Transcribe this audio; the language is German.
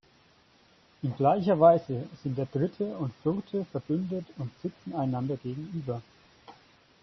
In gleicher Weise sind der Dritte und Vierte verbündet und sitzen einander gegenüber.